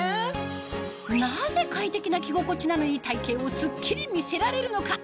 なぜ快適な着心地なのに体形をスッキリ見せられるのか？